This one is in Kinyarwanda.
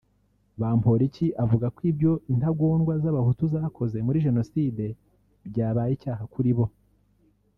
Bamporiki avuga ko ibyo intagondwa z’Abahutu zakoze muri Jenoside byabaye icyaha kuri bo